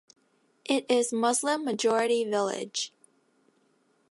It is Muslim majority village.